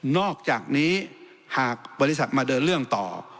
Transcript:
อกจากนี้หากบริษัทมาเดินเรื่องต่อ